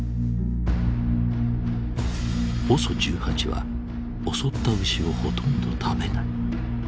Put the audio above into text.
ＯＳＯ１８は襲った牛をほとんど食べない。